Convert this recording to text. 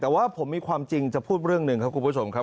แต่ว่าผมมีความจริงจะพูดเรื่องหนึ่งครับคุณผู้ชมครับ